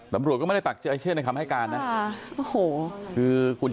ถ้าจุดกูไม่ได้ก็คือหนูไม่ต้องมาคุยกับผม